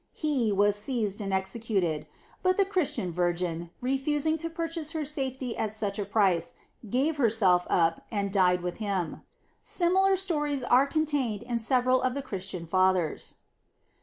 He was seized and executed; but the Christian virgin, refusing to purchase her safety at such a price, gave herself up, and died with him. Similar stories are contained in several of the Christian fathers.